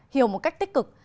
hiểu một cách tích cực